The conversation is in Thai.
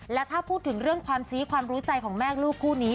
และถ้าพูดถึงเรื่องความซี้ความรู้ใจของแม่ลูกคู่นี้